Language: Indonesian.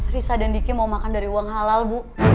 risa dan diki mau makan dari uang halal bu